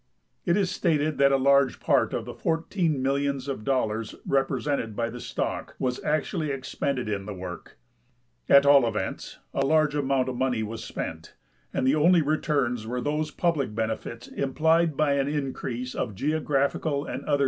It is stated that a large part of the fourteen millions of (hdlars rej)resented by the stock was actually ex ])ended in the work ; at all events a large amount of money was spent, and the only returns were those public benefits implied by an increase of geographical and other